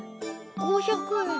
５００円！